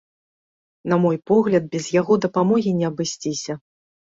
На мой погляд, без яго дапамогі не абысціся.